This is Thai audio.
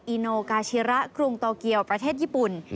อิโนกาชิระกรุงโตเกียวประเทศญี่ปุ่น